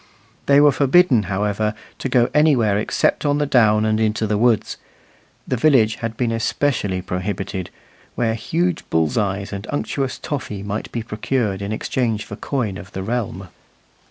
They were forbidden, however, to go anywhere except on the down and into the woods; the village had been especially prohibited, where huge bull's eyes and unctuous toffy might be procured in exchange for coin of the realm.